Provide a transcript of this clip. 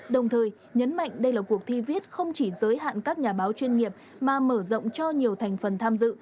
đồng thời nhấn mạnh đây là cuộc thi viết không chỉ giới hạn các nhà báo chuyên nghiệp mà mở rộng cho nhiều thành phần tham dự